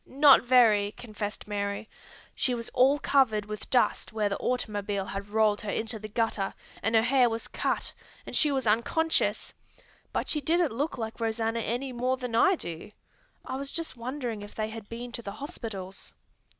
"Not very," confessed Mary. "She was all covered with dust where the automobile had rolled her into the gutter, and her head was cut, and she was unconscious: but she didn't look like Rosanna any more than I do. I was just wondering if they had been to the hospitals."